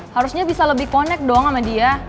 harusnya bisa lebih connect dong sama dia